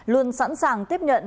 luôn sẵn sàng tiếp nhận